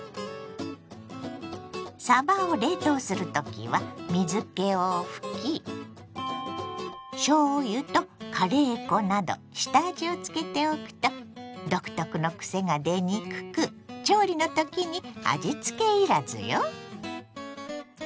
さばを冷凍する時は水けを拭きしょうゆとカレー粉など下味をつけておくと独特のくせが出にくく調理の時に味つけ要らずよ。